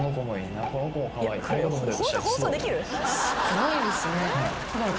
すごいですね。